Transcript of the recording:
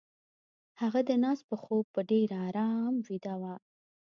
هغه د ناز پر خوب په ډېر آرام ويده وه.